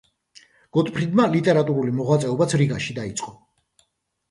გოტფრიდმა ლიტერატურული მოღვაწეობაც რიგაში დაიწყო.